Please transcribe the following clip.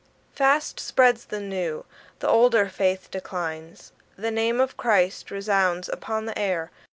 Fast spreads the new; the older faith declines. The name of Christ resounds upon the air.